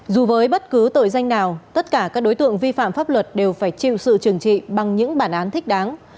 dù với bất cứ tội danh nào tất cả các đối tượng vi phạm pháp luật đều phải chịu sự trừng trị bằng những bản án thích đáng